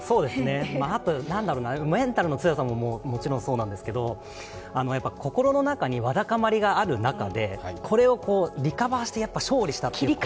あとメンタルの強さももちろんそうなんですけれども、心の中に、わだかまりがある中でこれをリカバーして勝利した。